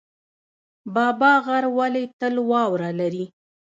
بابا غر ولې تل واوره لري؟